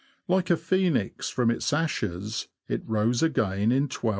Like a phoenix, from its ashes it rose again in 1278.